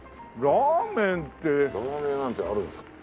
ラーメン屋なんてあるんですか？